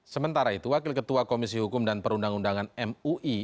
sementara itu wakil ketua komisi hukum dan perundang undangan mui